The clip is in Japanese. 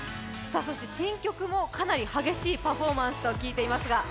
新曲もかなり激しいパフォーマンスと聞いていますが。